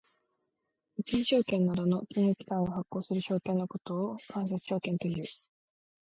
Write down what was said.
預金証券などの金融機関が発行する証券のことを間接証券という。